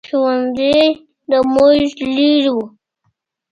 ښوؤنځی له موږ لرې ؤ